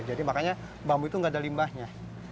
jadi makanya bambu itu enggak ada limbahnya